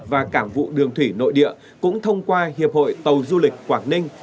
và cảng vụ đường thủy nội địa cũng thông qua hiệp hội tàu du lịch quảng ninh